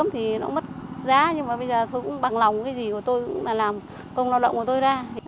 khoảng ngót một tỷ